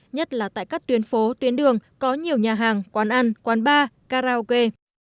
nhất là tại các tuyến phố tuyến đường có nhiều nhà hàng quán ăn quán bar karaoke